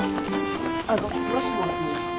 あの撮らせてもらってもいいですか？